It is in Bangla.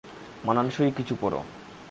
মানানসই কিছু পড়ো।